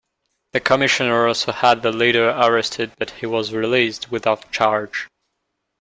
The Commissioner also had the leader arrested but he was released without charge.